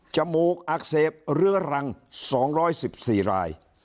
มูกอักเสบเรื้อรัง๒๑๔ราย